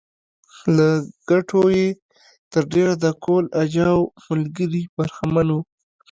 له ګټو یې تر ډېره د کهول اجاو ملګري برخمن وو